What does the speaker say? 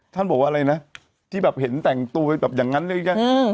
ท่านบอกว่าอะไรนะที่แบบเห็นแต่งตัวอย่างงั้นเกี่ยวไง